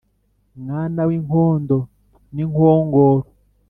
mwana w'inkondo n'inkongoro